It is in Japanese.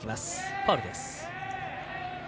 ファウルです。